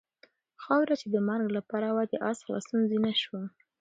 خاوره چې د مرګ لپاره وه د آس د خلاصون زینه شوه.